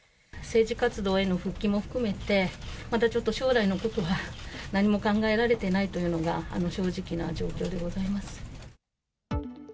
政治活動への復帰も含めて、まだちょっと将来のことは、何も考えられていないというのが、正直な状況でございます。